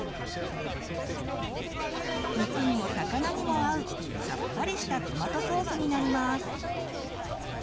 肉にも魚にも合うさっぱりしたトマトソースになります。